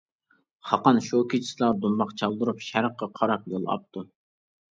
خاقان شۇ كېچىسىلا دۇمباق چالدۇرۇپ، شەرققە قاراپ يول ئاپتۇ.